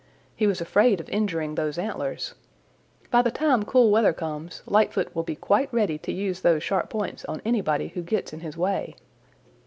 He was afraid of injuring those antlers. By the time cool weather comes, Lightfoot will be quite ready to use those sharp points on anybody who gets in his way.